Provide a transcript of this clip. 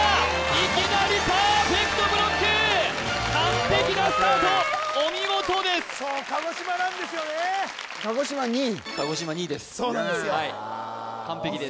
いきなりパーフェクトブロック完璧なスタートお見事ですそう鹿児島なんですよね鹿児島２位？鹿児島２位ですはい完璧です